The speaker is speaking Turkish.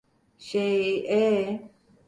Şey, ee…